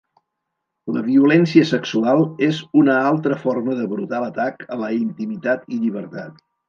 La violència sexual és una altra forma de brutal atac a la intimitat i llibertat.